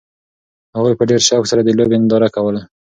هغوی په ډېر شوق سره د لوبې ننداره کوله.